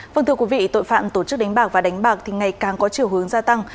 vâng thưa quý vị tội phạm tổ chức đánh bạc và đánh bạc thì ngày càng có chiều hướng gia tăng